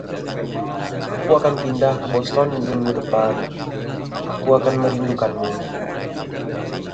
"Aku akan pindah ke Boston minggu depan." "Aku akan merindukanmu."